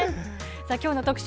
きょうの特集